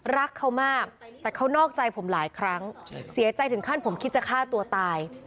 รักเขามากแต่เขานอกใจผมหลายครั้งเสียใจถึงขั้นผมคิดจะฆ่าตัวตาย